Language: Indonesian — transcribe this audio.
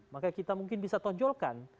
maka kita mungkin bisa tonjolkan